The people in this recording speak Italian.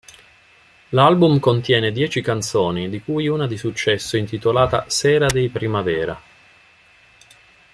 L'album contiene dieci canzoni, di cui una di successo intitolata "Sera di primavera".